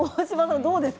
どうですか。